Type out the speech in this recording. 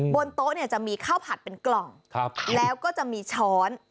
บนโต๊ะเนี่ยจะมีข้าวผัดเป็นกล่องแล้วก็จะมีช้อน